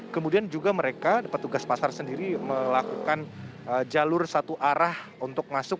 kemudian juga mereka petugas pasar sendiri melakukan jalur satu arah untuk masuk